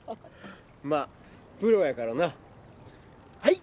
まぁプロやからなはい！